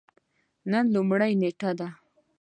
نن لومړۍ نیټه ده